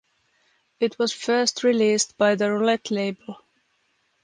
It was first released by the Roulette label.